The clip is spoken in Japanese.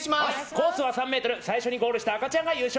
コースは３ｍ最初にゴールした赤ちゃんが優勝。